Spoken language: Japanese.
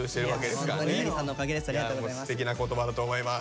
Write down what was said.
すてきな言葉だと思います。